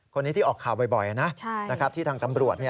คนนี้ที่ออกข่าวบ่อยนะที่ทางตำรวจ